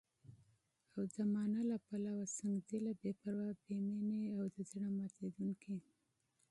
او د مانا له پلوه، سنګدله، بې پروا، بې مينې او د زړه ماتوونکې